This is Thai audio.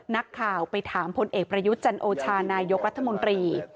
นักข่าวไปถามพลเอกประยุทธ์จันโอชานายกรัฐมนตรี